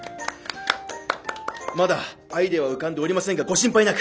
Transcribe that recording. まだアイデアは浮かんでおりませんがご心配なく。